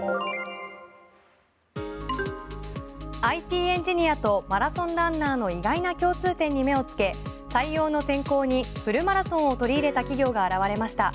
ＩＴエンジニアとマラソンランナーの意外な共通点に目を付け採用の選考にフルマラソンを取り入れた企業が現れました。